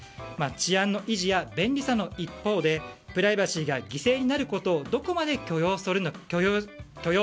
治安の維持や便利さの一方でプライバシーが犠牲になることをどこまで許容するのか